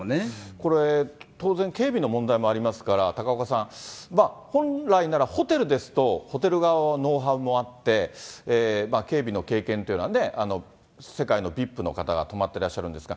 これ、当然、警備の問題もありますから、高岡さん、本来なら、ホテルですと、ホテル側のノウハウもあって、警備の経験っていうのはね、世界のＶＩＰの方が泊まってらっしゃるんですが。